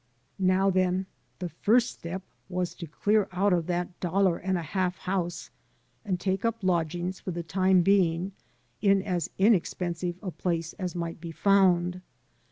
Now then, the first step was to clear out of that dollar and a half house and take up lodgings, for the time being, in as inexpensive a place as might be found.